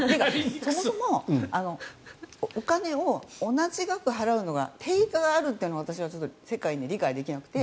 そもそもお金を同じ額払うのが定価があるっていうのが理解できなくて。